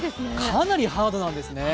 かなりハードなんですね。